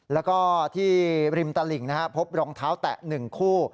แล้วก็ที่ริมตลิ่งนะครับพบรองเท้าแตะ๑คู่